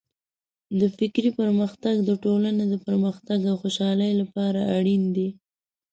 د فکري پرمختګ د ټولنې د پرمختګ او خوشحالۍ لپاره اړین دی.